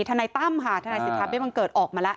ทนายตั้มค่ะทนายสิทธาเบี้บังเกิดออกมาแล้ว